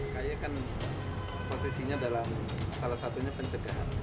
kay kan posisinya dalam salah satunya pencegahan